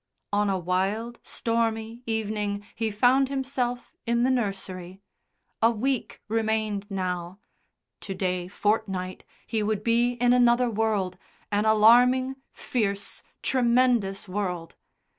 On a wild stormy evening he found himself in the nursery. A week remained now to day fortnight he would be in another world, an alarming, fierce, tremendous world.